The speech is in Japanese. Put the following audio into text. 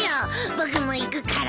僕も行くから。